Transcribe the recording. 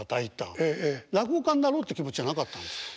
落語家になろうって気持ちはなかったんですか？